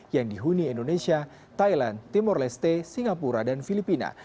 yang dihuni indonesia thailand timur leste singapura dan filipina